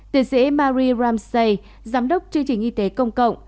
tiến sĩ marie ramsey giám đốc chương trình y tế công cộng